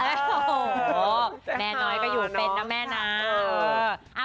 โอ้โหแม่น้อยก็อยู่เป็นนะแม่นะ